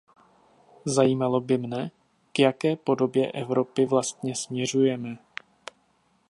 Zajímalo by mne, k jaké podobě Evropy vlastně směřujeme.